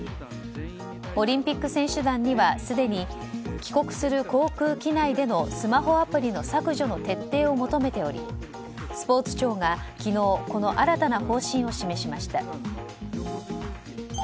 オリンピック選手団にはすでに帰国する航空機内でのスマホアプリの削除の徹底を求めておりスポーツ庁が昨日この新たな方針を示しました。